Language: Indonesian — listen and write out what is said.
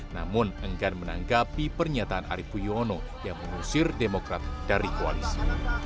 namun enggan menanggapi pernyataan arief puyono yang mengusir demokrat dari koalisi